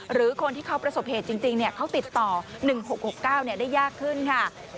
หรือคนที่เขาประสบเหตุจริงเขาติดต่อ๑๖๖๙ได้ยากขึ้นค่ะ